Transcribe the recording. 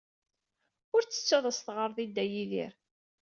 Ur ttettu ad as-teɣreḍ i Dda Yidir.